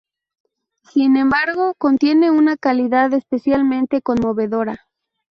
Sin embargo, contiene una calidad especialmente conmovedora.